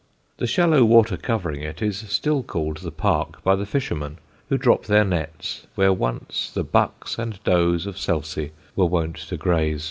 The shallow water covering it is still called the park by the fishermen, who drop their nets where the bucks and does of Selsey were wont to graze.